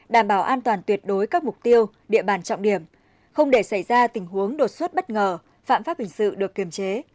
đảm bảo an toàn tuyệt đối các mục tiêu địa bàn trọng điểm không để xảy ra tình huống đột xuất bất ngờ phạm pháp hình sự được kiềm chế